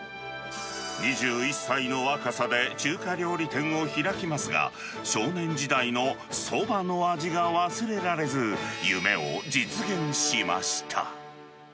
２１歳の若さで中華料理店を開きますが、少年時代のそばの味が忘れられず、夢を実現しました。